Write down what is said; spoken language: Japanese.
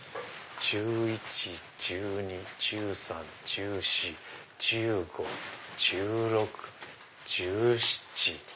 １１・１２・１３・１４１５・１６・１７。